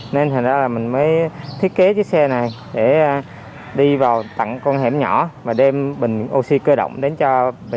nên thành ra là mình mới thiết kế chiếc xe này để đi vào tặng con hẻm nhỏ và đem bình oxy cơ động đến trang mạng